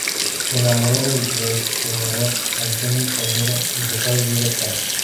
Se enamoró del rejoneador Antonio Cañero y se fue a vivir a España.